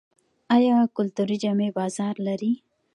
آیا کلتوري جامې بازار لري؟